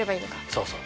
そうそう。